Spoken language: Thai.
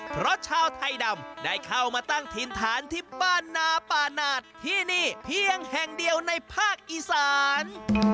เพราะชาวไทยดำได้เข้ามาตั้งถิ่นฐานที่บ้านนาป่าหนาดที่นี่เพียงแห่งเดียวในภาคอีสาน